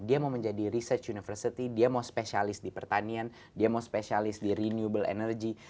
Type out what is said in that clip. dia mau menjadi research university dia mau spesialis di pertanian dia mau spesialis di renewable energy